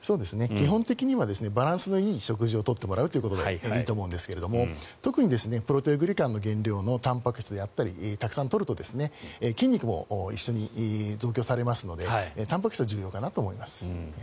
基本的にはバランスのいい食事を取ってもらうということでいいと思うんですが特にプロテオグリカンの原料のたんぱく質であったりをたくさん取ると筋肉も一緒に増強されますのでたんぱく質が重要かなと思います。